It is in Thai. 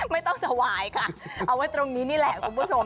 ถวายค่ะเอาไว้ตรงนี้นี่แหละคุณผู้ชม